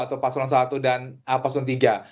atau pasangan nomor satu dan pasangan nomor tiga